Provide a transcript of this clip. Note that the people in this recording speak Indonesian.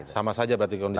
sama saja berarti kondisinya